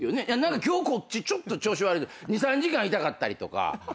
今日こっちちょっと調子悪い２３時間痛かったりとか。